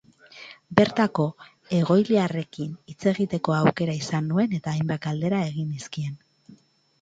Bertako egoiliarrekin hitz egiteko aukera izan nuen eta hainbat galdera egin nizkien.